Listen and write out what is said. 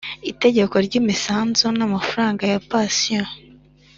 itegeko ry imisanzu n amafaranga ya pansiyo